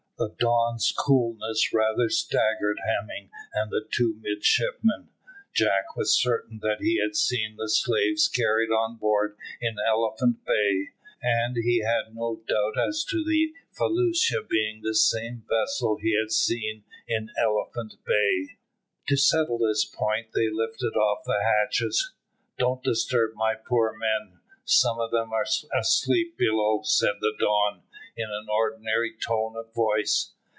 The Don's coolness rather staggered Hemming and the two midshipmen. Jack was certain that he had seen the slaves carried on board in Elephant Bay, and he had no doubt as to the felucca being the same vessel he had seen in Elephant Bay. To settle this point, they lifted off the hatches. "Don't disturb my poor men. Some of them are asleep below," said the Don, in an ordinary tone of voice.